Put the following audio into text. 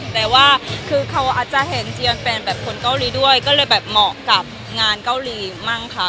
แต่ว่าคือเขาอาจจะเห็นเจียนแฟนแบบคนเกาหลีด้วยก็เลยแบบเหมาะกับงานเกาหลีมั่งค่ะ